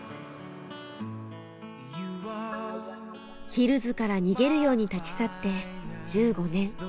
ヒルズから逃げるように立ち去って１５年。